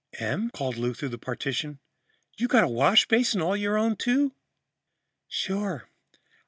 "Em," called Lou through the partition, "you got a washbasin all your own, too?" "Sure.